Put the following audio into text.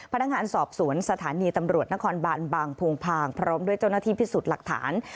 พนักงานสอบสวนสถานีตำรวจนครบานบางโพงพางพร้อมด้วยเจ้าหน้าที่พิสูจน์หลักฐาน